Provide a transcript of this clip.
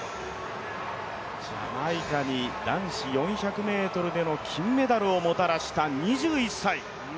ジャマイカに男子４００ｍでの金メダルをもたらした２１歳。